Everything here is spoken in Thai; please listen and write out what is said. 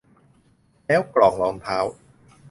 แล้วกล่องรองเท้า